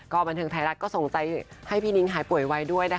บันเทิงไทยรัฐก็ส่งใจให้พี่นิ้งหายป่วยไวด้วยนะคะ